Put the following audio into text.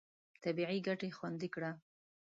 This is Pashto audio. طبیعي ګټې خوندي کړه.